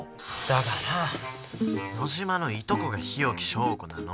だから野嶋のいとこが日置昭子なの。